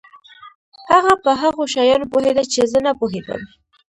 هغه په هغو شیانو پوهېده چې زه نه په پوهېدم.